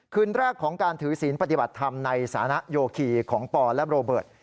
คืนแรกของการถือศีลปฏิบัติธรรมในสานะโยคีของปอและโรเบิร์ต